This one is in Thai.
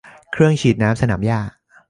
เครื่องฉีดน้ำสนามหญ้า